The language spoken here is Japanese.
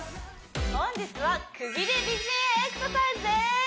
本日はくびれ美人エクササイズです